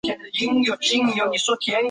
早期的电动扶梯的梯级以木制成。